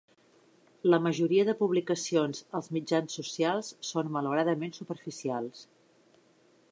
La majoria de publicacions als mitjans socials són malauradament superficials.